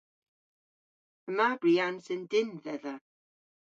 Yma briansen dynn dhedha.